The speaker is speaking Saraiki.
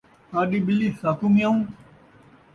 ساݙی ٻلی ساکوں میاؤں